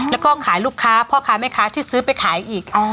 แล้วก็ขายลูกค้าพ่อค้าแม่ค้าที่ซื้อไปขายอีก